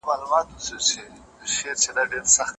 زه خو تږی وم اسمانه لکه فصل له عمرونو